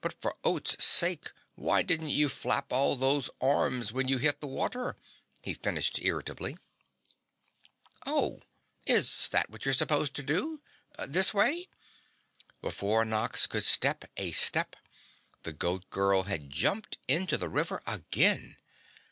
But for oat's sake, why didn't you flap all those arms when you hit the water?" he finished irritably. "Oh, is that what you're supposed to do? This way?" Before Nox could step a step, the Goat Girl had jumped into the river again.